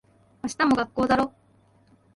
明日も学校だろ。